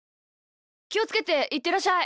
きをつけていってらっしゃい！